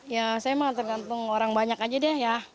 ya saya emang tergantung orang banyak aja deh ya